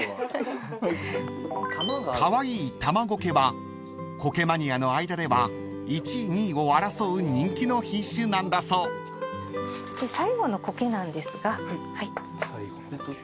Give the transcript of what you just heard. ［カワイイタマゴケは苔マニアの間では１位２位を争う人気の品種なんだそう］最後の苔なんですが。